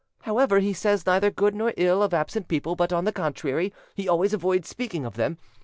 However, he says neither good nor ill of absent people; but, on the contrary, he always avoids speaking of them.